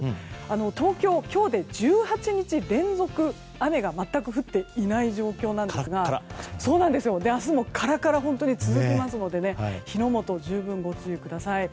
東京、今日で１８日連続雨が全く降っていない状況なんですが明日もカラカラが本当に続きますので火の元、十分ご注意ください。